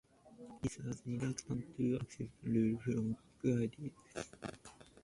This was reluctant to accept rule from Guadix.